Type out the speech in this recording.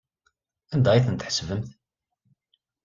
Anda ay tent-tḥesbemt?